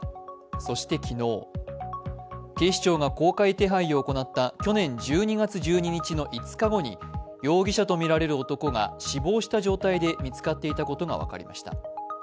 そして昨日、警視庁が公開手配を行った去年１２月１２日の５日後に容疑者とみられる男が死亡した状態で見つかっていたことが分かりました。